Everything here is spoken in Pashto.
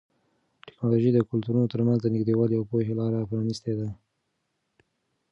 ټیکنالوژي د کلتورونو ترمنځ د نږدېوالي او پوهې لاره پرانیستې ده.